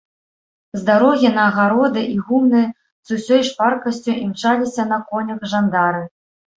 З дарогі на гароды і гумны з усёй шпаркасцю імчаліся на конях жандары.